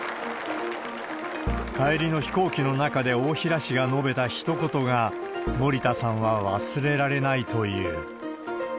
帰りの飛行機の中で大平氏が述べたひと言が、森田さんは忘れられないという。